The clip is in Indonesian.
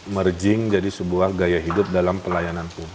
merging jadi sebuah gaya hidup dalam pelayanan publik